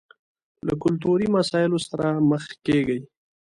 له کلتوري مسايلو سره مخ کېږي.